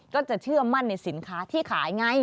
ก็จะเชื่อมั่นในสินค้าที่ขายไง